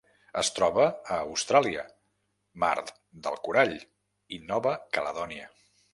Es troba a Austràlia, Mar del Corall i Nova Caledònia.